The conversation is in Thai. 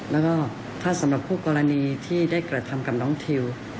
แล้วก็ถ้าสำหรับคู่กรณีที่ได้กระทำกับน้องทิว